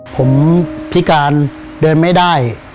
ผมพิการเดินไม่ได้